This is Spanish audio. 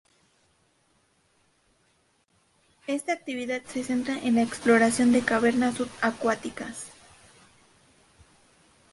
Esta actividad se centra en la exploración de cavernas subacuáticas.